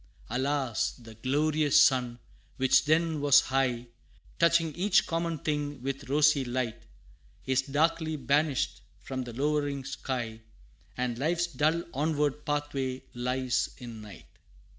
Alas! the glorious sun, which then was high, Touching each common thing with rosy light, Is darkly banished from the lowering sky And life's dull onward pathway lies, in night.